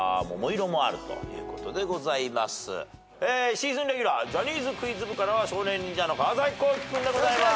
シーズンレギュラージャニーズクイズ部からは少年忍者の川皇輝君でございます。